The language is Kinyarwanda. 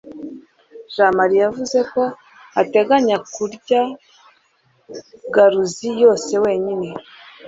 jamali yavuze ko ateganya kurya garuzi yose wenyine